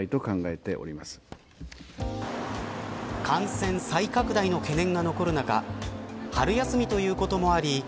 感染再拡大の懸念が残る中春休みということもあり